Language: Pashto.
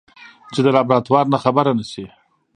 چې د لابراتوار نه خبره نشي.